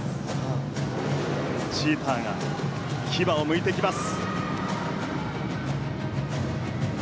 チーターが牙をむいてきます。